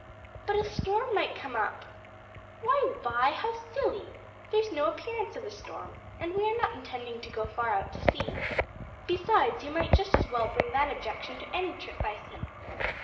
"But a storm might come up." "Why, Vi, how silly! there's no appearance of a storm, and we are not intending to go far out to sea. Besides, you might just as well bring that objection to any trip by sea."